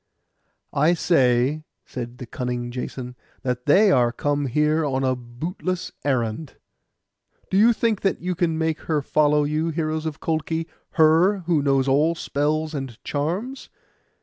'I say,' said the cunning Jason, 'that they are come here on a bootless errand. Do you think that you can make her follow you, heroes of the Colchi—her, who knows all spells and charms?